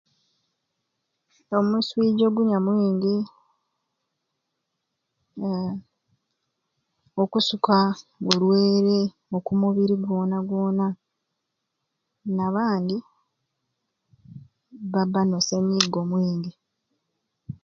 Omuswiija ogunyamwingi, okusuka olweere oku mubiri gwona gwona nabandi baba no senyiga omwingi.